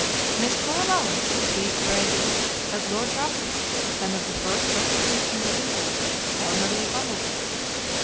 Miss Cora Wallace, of East Brady, Pa., has Lord Ruffles, son of the first Rosalys and The Beadle, formerly Bumble Bee.